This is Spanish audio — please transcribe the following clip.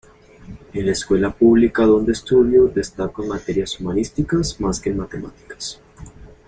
En la escuela pública donde estudió, destacó en materias humanísticas más que en matemáticas.